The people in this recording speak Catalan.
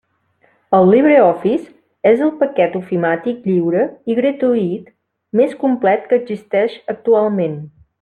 El LibreOffice és el paquet ofimàtic lliure i gratuït més complet que existeix actualment.